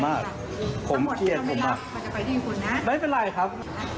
มันได้เป็นเลยครับ